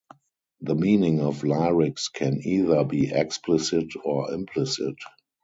The meaning of lyrics can either be explicit or implicit.